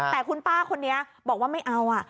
แต่คุณป้าคนนี้บอกว่าไม่เอา